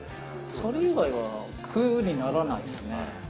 それ以外は苦にならないです